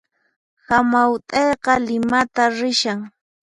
Hamaut'ayqa Limata rishan